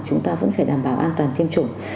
chúng ta vẫn phải đảm bảo an toàn tiêm chủng